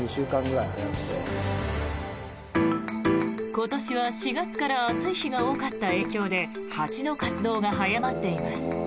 今年は４月から暑い日が多かった影響で蜂の活動が早まっています。